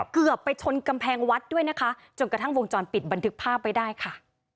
เกือบไปชนกำแพงวัดด้วยนะคะจนกระทั่งวงจรปิดบันทึกภาพไว้ได้ค่ะ